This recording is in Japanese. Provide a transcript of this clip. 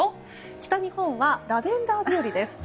北日本はラベンダー日和です。